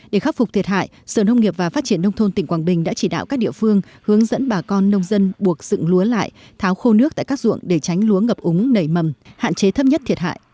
để khắc phục thiệt hại sở nông nghiệp và phát triển nông thôn tỉnh quảng bình đã chỉ đạo các địa phương hướng dẫn bà con nông dân buộc dựng lúa lại tháo khô nước tại các ruộng để tránh lúa ngập úng nảy mầm hạn chế thấp nhất thiệt hại